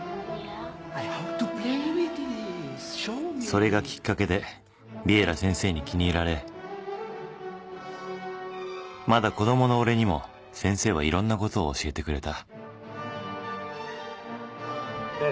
［それがきっかけでヴィエラ先生に気に入られまだ子供の俺にも先生はいろんなことを教えてくれた］